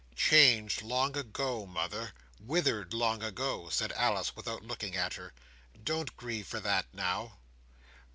"Changed, long ago, mother! Withered, long ago," said Alice, without looking at her. "Don't grieve for that now."